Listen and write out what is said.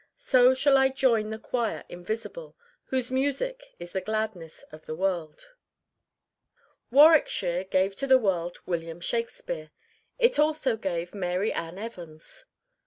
So shall I join the choir invisible Whose music is the gladness of the world." [Illustration: GEORGE ELIOT] Warwickshire gave to the world William Shakespeare. It also gave Mary Ann Evans.